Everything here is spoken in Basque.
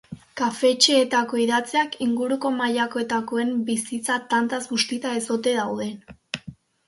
Kafetxeetako idatziak, inguruko mahaikoetakoen bizitza tantaz bustita ez ote dauden.